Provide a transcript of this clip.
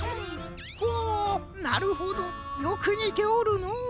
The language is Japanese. ほなるほどよくにておるのう。